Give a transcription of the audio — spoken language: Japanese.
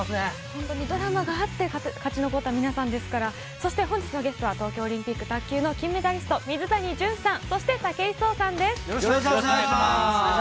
本当にドラマがあって、勝ち残った皆さんですから、そして本日のゲストは、東京オリンピック卓球の金メダリスト、水谷隼さん。